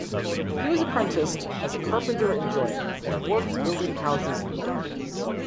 He was apprenticed as a carpenter and joiner, and worked building houses and barns.